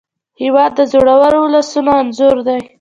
هېواد د زړورو ولسونو انځور دی.